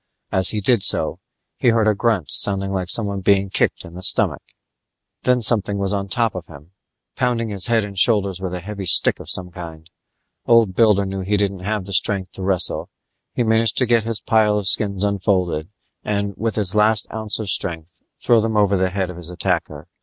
As he did so, he heard a grunt sounding like someone being kicked in the stomach Then something was on top of him, pounding his head and shoulders with a heavy stick of some kind. Old Builder knew he didn't have the strength to wrestle; he managed to get his pile of skins unfolded and, with his last ounce of strength, throw them over the head of his attacker.